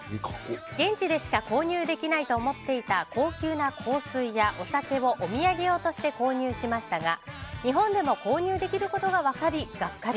現地でしか購入できないと思っていた高級なお酒をお土産用として購入しましたが日本でも購入できることが分かりがっかり。